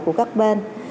của các bên